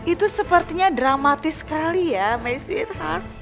itu sepertinya dramatis sekali ya my sweetheart